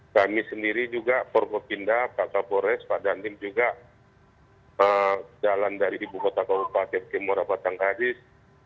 kami sendiri juga purwokinda pak kapolres pak dantim juga jalan dari di bukotakau pak ketimura batang kadis